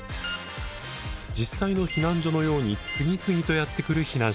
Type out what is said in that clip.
実際の避難所のように次々とやって来る避難者。